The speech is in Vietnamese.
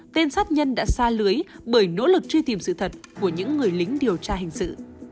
tên sát nhân đã xa lưới bởi nỗ lực truy tìm sự thật của những người lính điều tra hình sự